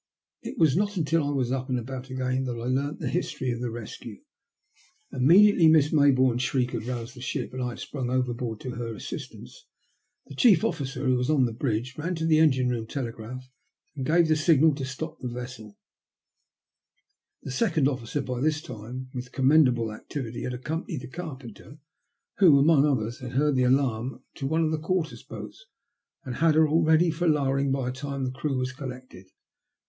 It was not until I was up and about again that I learnt the history of the rescue. Immediately Miss Mayboume's shriek had roused the ship, and I had sprung overboard to her assistance, the chief officer, who was on the bridge, ran to the engine room telegraph and gave the signal to stop the vessel ; the second officer by this time, with commendable activity, had accompanied the carpenter, who among others had heard the alarm, to one of the quarter boats, and had her ready for lowering by the time a crew was collected.